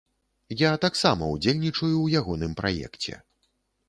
Я таксама ўдзельнічаю ў ягоным праекце.